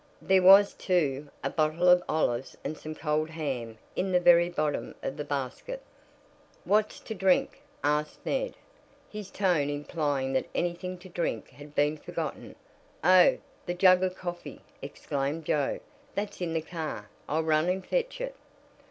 There was, too, a bottle of olives and some cold ham in the very bottom of the basket. "What's to drink?" asked Ned, his tone implying that anything to drink had been forgotten. "Oh, the jug of coffee!" exclaimed Joe. "That's in the car. I'll run and fetch it."